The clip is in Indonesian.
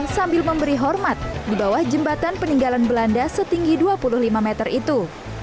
sambil memberi hormat di bawah jembatan peninggalan belanda setinggi dua puluh lima meter itu